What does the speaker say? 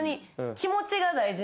気持ちは大事に。